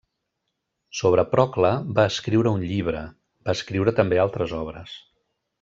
Sobre Procle va escriure un llibre; va escriure també altres obres.